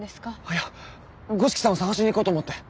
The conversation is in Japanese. いや五色さんを捜しに行こうと思って。